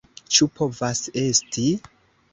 Ĉu povas esti?